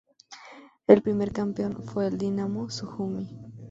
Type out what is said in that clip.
El primer campeón fue el Dinamo Sujumi.